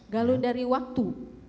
kalau dari waktu